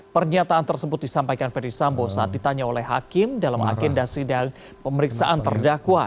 pernyataan tersebut disampaikan ferdisambo saat ditanya oleh hakim dalam agenda sidang pemeriksaan terdakwa